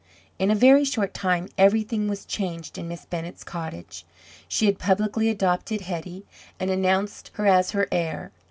In a very short time everything was changed in Miss Bennett's cottage. She had publicly adopted Hetty, and announced her as her heir.